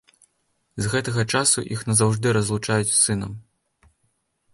З гэтага часу іх назаўжды разлучаюць з сынам.